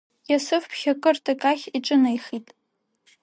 Иасыф ԥхьакырҭак ахь иҿынеихеит.